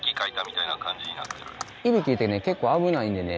いびきってね結構危ないんでね